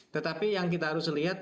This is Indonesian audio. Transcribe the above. tetapi yang kita harus lihat